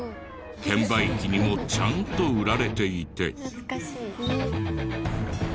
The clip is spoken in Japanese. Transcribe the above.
券売機にもちゃんと売られていて。